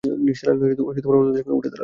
নিসার আলি অন্যদের সঙ্গে উঠে দাঁড়ালেন।